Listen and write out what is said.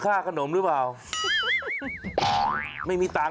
ผมบอกแม่อ๋อว่า